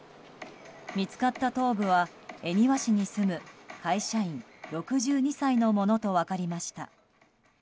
見つかった頭部は恵庭市に住む会社員、６２歳のものと分かりました。